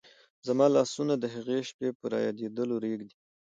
زما لاسونه د هغې شپې په رایادېدلو رېږدي.